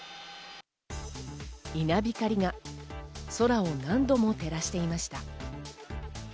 稲光が空を何度も照らしていました。